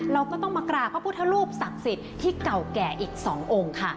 เราก็ต้องมากราบพระพุทธรูปศักดิ์สิทธิ์ที่เก่าแก่อีก๒องค์ค่ะ